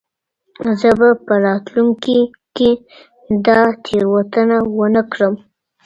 زه به په راتلونکې کې دا تېروتنه ونه کړم.